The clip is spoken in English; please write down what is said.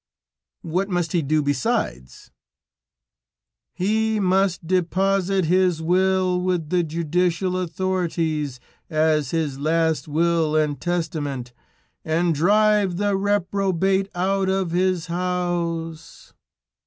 "What must he do besides?" "He must deposit his will with the Judicial Authorities, as his last will and testament, and drive the reprobate out of his house."